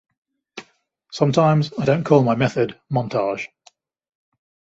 Sometimes I don't call my method 'montage'.